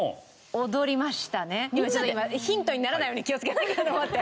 ヒントにならないように気をつけなきゃと思って。